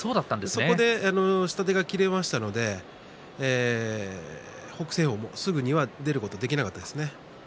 そこで下手が切れましたので北青鵬も、すぐには出ることができませんでした。